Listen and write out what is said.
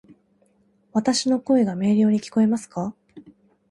わたし（の声）が明瞭に聞こえますか？